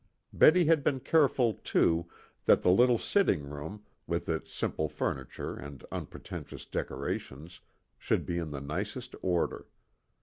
Betty had been careful, too, that the little sitting room, with its simple furniture and unpretentious decorations, should be in the nicest order.